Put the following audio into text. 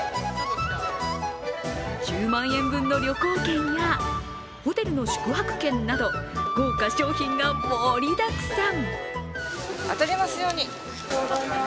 １０万円分の旅行券やホテルの宿泊券など、豪華賞品が盛りだくさん。